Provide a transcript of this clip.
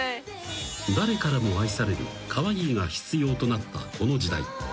［誰からも愛されるカワイイが必要となったこの時代］